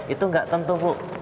itu nggak tentu